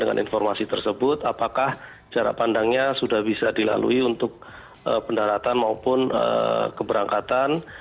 dengan informasi tersebut apakah jarak pandangnya sudah bisa dilalui untuk pendaratan maupun keberangkatan